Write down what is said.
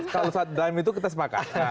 kalau saat drim itu kita sepakat